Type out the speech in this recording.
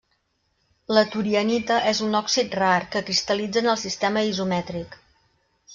La torianita és un òxid rar, que cristal·litza en el sistema isomètric.